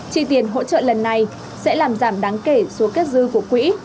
chi tiền hỗ trợ lần này sẽ làm giảm đáng kể số kết dư của quỹ